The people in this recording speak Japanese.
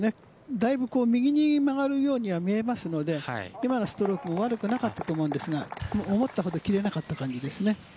だいぶ右に曲がるようには見えますので今のストロークも悪くなかったと思うんですが思ったほど切れなかった感じですね。